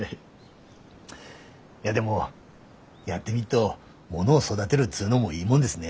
いやでもやってみっとものを育でるっつうのもいいもんですね。